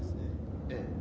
ええ。